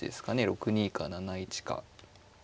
６二か７一か。